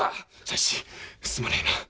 佐七すまねえな。